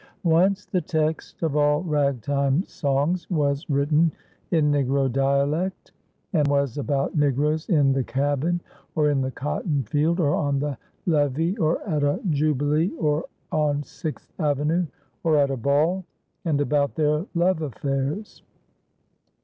Once the text of all Ragtime songs was written in Negro dialect, and was about Negroes in the cabin or in the cotton field or on the levee or at a jubilee or on Sixth Avenue or at a ball, and about their love affairs.